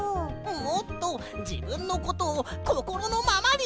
もっとじぶんのことをこころのままにいうんだよ！